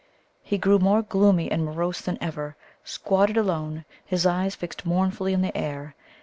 He grew more gloomy and morose than ever, squatted alone, his eyes fixed mournfully in the air.